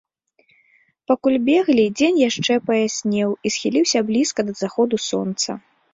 Пакуль беглі, дзень яшчэ паяснеў і схіліўся блізка да заходу сонца.